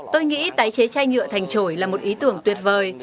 tôi nghĩ tái chế chai nhựa thành trội là một ý tưởng tuyệt vời